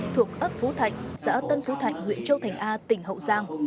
thuộc ấp phú thạnh xã tân phú thạnh huyện châu thành a tỉnh hậu giang